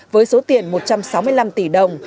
với số tiền một trăm sáu mươi năm tỷ đồng